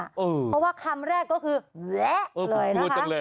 เพราะว่าคำแรกก็คือเละเลยนะคะ